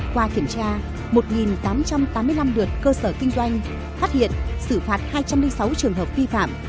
qua kiểm tra một tám trăm tám mươi năm lượt cơ sở kinh doanh phát hiện xử phạt hai trăm linh sáu trường hợp vi phạm